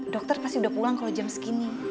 dokter pasti udah pulang kalau jam segini